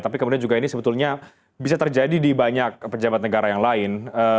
tapi kemudian juga ini sebetulnya bisa terjadi di banyak pejabat negara yang lain